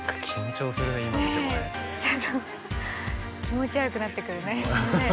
ちょっと気持ち悪くなってくるね。